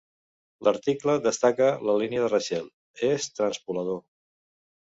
L'article destaca la línia de Rachel "És transpolador!".